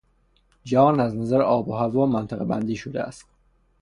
جهان از نظر آب و هوا منطقهبندی شده است.